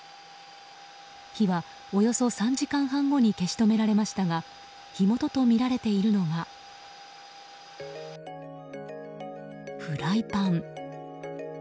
火は、およそ３時間半後に消し止められましたが火元とみられているのがフライパン。